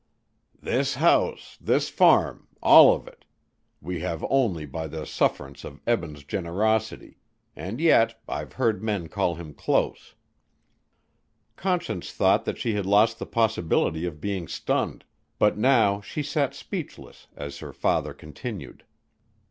"This house this farm all of it we have only by the sufferance of Eben's generosity, and yet I've heard men call him close." Conscience thought that she had lost the possibility of being stunned, but now she sat speechless as her father continued.